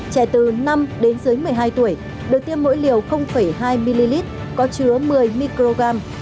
trẻ từ năm đến dưới một mươi hai tuổi được tiêm mỗi liều hai ml có chứa một mươi microgram